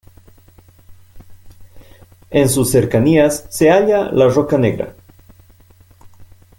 En sus cercanías se halla la roca Negra.